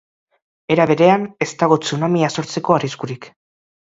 Era berean, ez dago tsunamia sortzeko arriskurik.